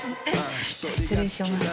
失礼します。